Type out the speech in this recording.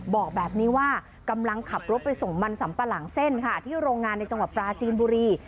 บอกแบบนี้ว่ากำลังขับรถไปส่งมันสำปะหลังเส้นค่ะที่โรงงานในจังหวัดปราจีนบุรี